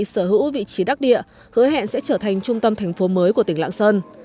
sở hữu vị trí đắc địa hứa hẹn sẽ trở thành trung tâm thành phố mới của tỉnh lạng sơn